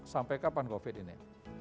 sampai kapan covid ini